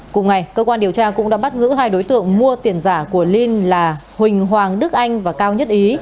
cùng ngày cơ quan điều tra cũng đã bắt giữ hai đối tượng mua tiền giả của linh là huỳnh hoàng đức anh và cao nhất ý